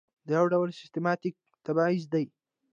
دا یو ډول سیستماتیک تبعیض دی.